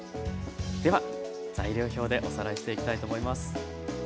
では材料表でおさらいしていきたいと思います。